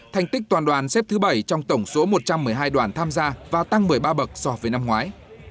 thành tích toàn đoàn xếp thứ bảy trong tổng số một trăm một mươi hai đoàn tham gia và tăng một mươi ba bậc so với năm ngoái